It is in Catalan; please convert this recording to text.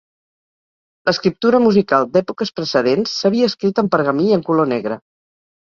L'escriptura musical d'èpoques precedents, s'havia escrit en pergamí i en color negre.